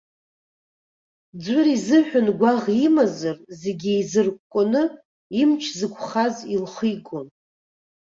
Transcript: Ӡәыр изыҳәан гәаӷ имазар зегьы еизыркәкәаны, имч зықәхаз илхигон.